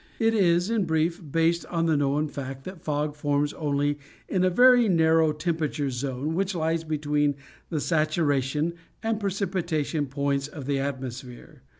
It is, in brief, based on the known fact that fog forms only in a very narrow temperature zone which lies between the saturation and precipitation points of the atmosphere.